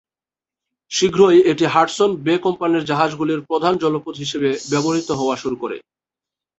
শীঘ্রই এটি Hudson Bay কোম্পানির জাহাজগুলির প্রধান জলপথ হিসেবে ব্যবহৃত হওয়া শুরু করে।